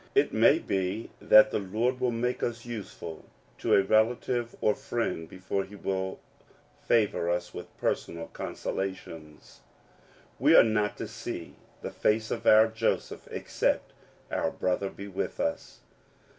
It may be that the Lord will make us useful to a relative or other friend before he will favor us with personal con solations : we are not to see the face of our Joseph except cur brother be with us.